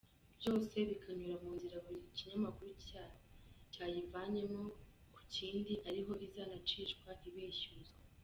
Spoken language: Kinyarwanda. Byose bikanyura mu nzira buri kinyamakuru cyayivanyemo ku kindi ariho izanacishwa ibeshyuzwa.